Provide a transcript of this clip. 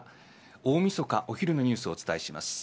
大みそかお昼のニュースをお伝えします。